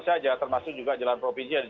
saja termasuk juga jalan provinsi yang